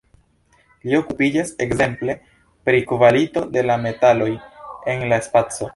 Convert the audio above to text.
Li okupiĝas ekzemple pri kvalito de la metaloj en la spaco.